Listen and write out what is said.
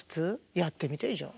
やってみてじゃあ。